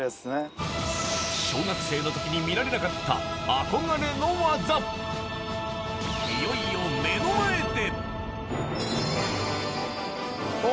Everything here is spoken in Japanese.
小学生の時に見られなかった憧れの技いよいよお！